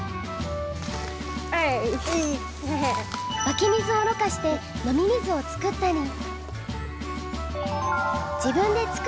わき水をろ過してのみ水を作ったり。